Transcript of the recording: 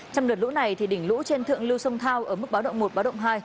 trong đợt lũ này đỉnh lũ trên thượng lưu sông thao ở mức báo động một báo động hai